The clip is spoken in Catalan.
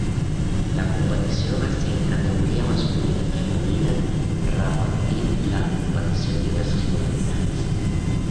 La competició va ser en categoria masculina i femenina repartint la competició en diverses modalitats.